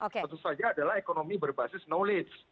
tentu saja adalah ekonomi berbasis knowledge